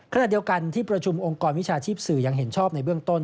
ขณะเดียวกันที่ประชุมองค์กรวิชาชีพสื่อยังเห็นชอบในเบื้องต้น